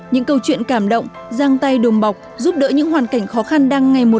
những câu chuyện cảm động giang tay đùm bọc giúp đỡ những hoàn cảnh khó khăn